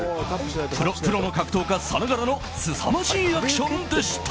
プロの格闘家さながらのすさまじいアクションでした。